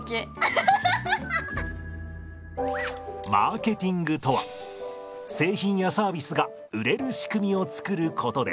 マーケティングとは製品やサービスが売れる仕組みを作ることです。